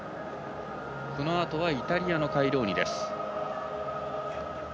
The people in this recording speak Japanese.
このあとはイタリアのカイローニです。